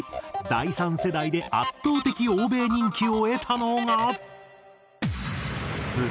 第３世代で圧倒的欧米人気を得たのが。